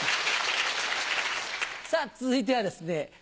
さぁ続いてはですね